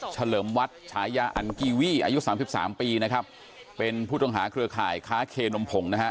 เลิมวัดฉายาอันกีวี่อายุสามสิบสามปีนะครับเป็นผู้ต้องหาเครือข่ายค้าเคนมผงนะฮะ